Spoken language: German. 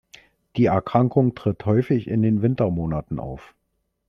Die Erkrankung tritt häufig in den Wintermonaten auf.